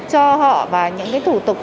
cho họ và những cái thủ tục